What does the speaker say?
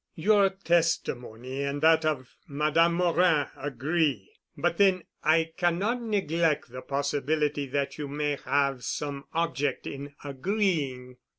Your testimony and that of Madame Morin agree, but then I cannot neglect the possibility that you may have some object in agreeing."